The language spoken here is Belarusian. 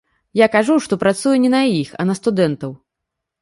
Я кажу, што працую не на іх, а на студэнтаў.